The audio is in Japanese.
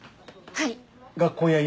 はい！